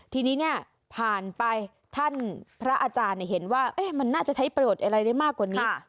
ทีนี้เนี่ยผ่านไปท่านพระอาจารย์เห็นว่ามันน่าจะใช้ประโยชน์อะไรได้มากกว่านี้